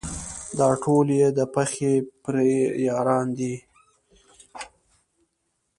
دا ټول یې د پخې پرې یاران دي.